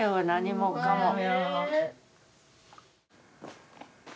何もかも。